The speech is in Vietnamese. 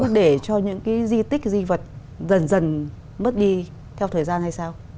để cho những cái di tích di vật dần dần mất đi theo thời gian hay sao